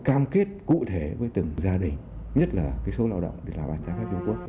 cam kết cụ thể với từng gia đình nhất là cái số lao động để làm bàn trái phép vô quốc